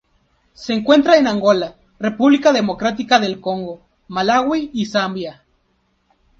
Se encuentra en Angola, República Democrática del Congo, Malawi y Zambia.